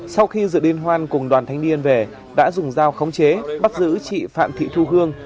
sau khi dự liên hoan cùng đoàn thanh niên về đã dùng dao khống chế bắt giữ chị phạm thị thu hương